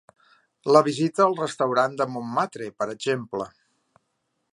La visita al restaurant de Montmartre, per exemple.